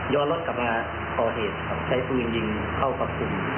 ใช้ฟื้นยิงเข้ากับคุณรูปลูกของผม